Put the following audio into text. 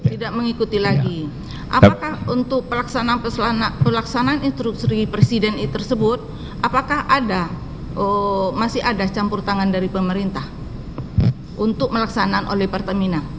tidak mengikuti lagi apakah untuk pelaksanaan instruksi presiden tersebut apakah ada masih ada campur tangan dari pemerintah untuk melaksanakan oleh pertamina